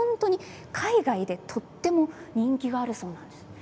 海外でとても人気があるそうなんです。